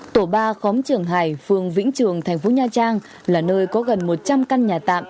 tổ ba khóm trường hải phường vĩnh trường thành phố nha trang là nơi có gần một trăm linh căn nhà tạm